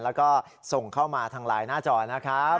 แล้วก็ส่งเข้ามาทางไลน์หน้าจอนะครับ